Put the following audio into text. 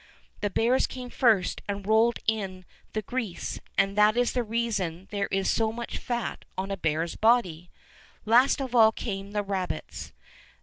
The bears came first and rolled in the 57 Fairy Tale Bears grease, and that is the reason there is so much fat on a bear's body. Last of all came the rabbits.